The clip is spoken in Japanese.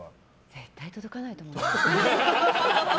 絶対届かないと思います。